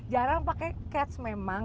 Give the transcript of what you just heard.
jarang pakai cats memang